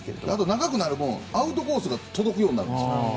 長くなる分アウトコースが届くようになるんです。